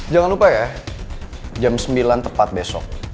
jangan lupa ya jam sembilan tepat besok